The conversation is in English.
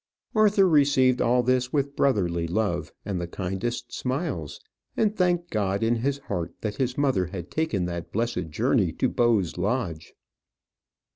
Arthur received all this with brotherly love and the kindest smiles, and thanked God in his heart that his mother had taken that blessed journey to Bowes Lodge.